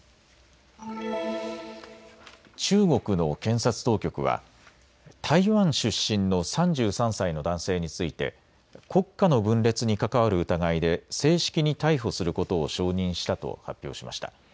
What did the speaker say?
中国の検察当局は台湾出身の３３歳の男性について国家の分裂に関わる疑いで正式に逮捕することを承認したと発表しました。